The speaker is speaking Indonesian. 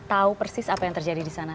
tahu persis apa yang terjadi di sana